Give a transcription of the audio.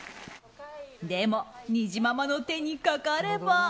でも、にじままの手にかかれば。